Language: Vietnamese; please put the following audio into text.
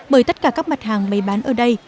bởi tất cả các mặt hàng bày bán ở đây